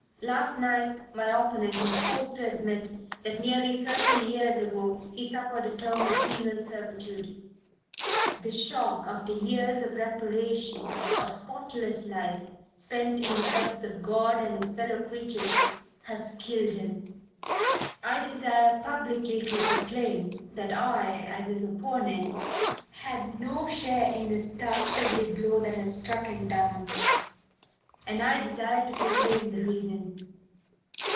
"Last night my opponent was forced to admit that nearly thirty years ago he suffered a term of penal servitude. The shock, after years of reparation, of spotless life, spent in the service of God and his fellow creatures, has killed him. I desire publicly to proclaim that I, as his opponent, had no share in the dastardly blow that has struck him down. And I desire to proclaim the reason.